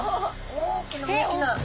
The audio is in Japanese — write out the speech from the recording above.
大きな大きな。え！？